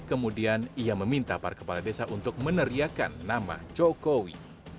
kemudian ia meminta para kepala desa untuk meneriakan nama jokowi